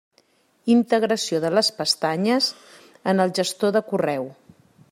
Integració de les pestanyes en el gestor de correu.